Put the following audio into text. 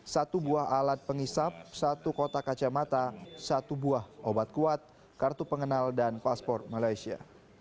satu buah alat pengisap satu kotak kacamata satu buah obat kuat kartu pengenal dan paspor malaysia